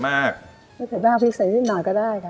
ไม่เผ็ดมากด้วยเสิวิ่ระมัดได้